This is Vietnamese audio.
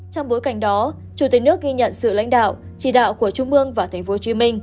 trong bối cảnh đó chủ tịch nước ghi nhận sự lãnh đạo chỉ đạo của trung mương và tp hcm